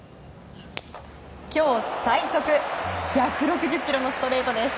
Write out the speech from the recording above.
今日最速１６０キロのストレートです。